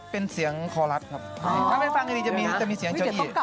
เพราะว่าใจแอบในเจ้า